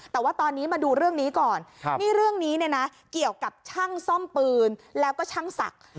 แต่ว่าตอนนี้มาดูเรื่องนี้ก่อนนี่เรื่องนี้เนี่ยนะเกี่ยวกับช่างซ่อมปืนแล้วก็ช่างศักดิ์